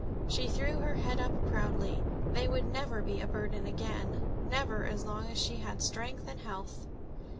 She threw her head up proudly. They would never be a burden again never, as long as she had strength and health!